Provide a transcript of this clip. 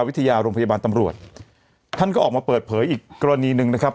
วิทยาโรงพยาบาลตำรวจท่านก็ออกมาเปิดเผยอีกกรณีหนึ่งนะครับ